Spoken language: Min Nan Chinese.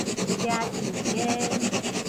夯雉雞